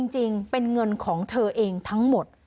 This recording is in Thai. จริงเป็นเงินของเธอเองทั้งหมด